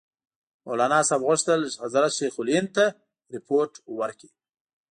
مولناصاحب غوښتل حضرت شیخ الهند ته رپوټ ورکړي.